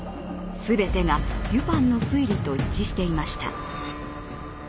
全てがデュパンの推理と一致していました。